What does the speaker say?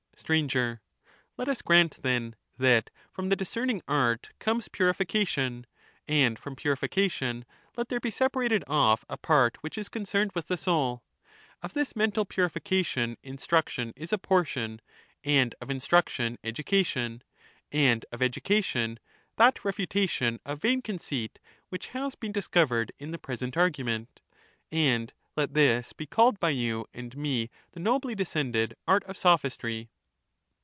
Str. Let us grant, then, that from the discerning art comes Recapitu purification, and from purification let there be separated off a ^^<*°* part which is concerned with the soul ; of this mental purifi cation instruction is a portion, and of instruction education, and of education, that refutation of vain conceit which has | been discovered in the present argument ; and let this be \ called by you and me the nobly descended art of Sophistry.